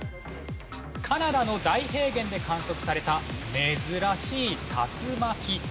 カナダの大平原で観測された珍しい竜巻。